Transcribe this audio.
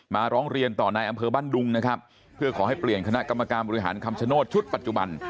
ร้องเรียนต่อในอำเภอบ้านดุงนะครับเพื่อขอให้เปลี่ยนคณะกรรมการบริหารคำชโนธชุดปัจจุบัน